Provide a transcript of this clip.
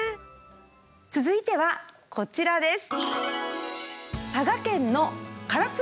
続いてはこちらです。